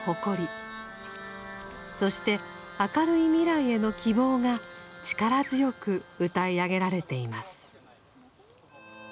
そして明るい未来への希望が力強く歌い上げられています。